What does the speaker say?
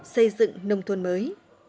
xây dựng nông thuần mới